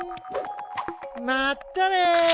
まったね！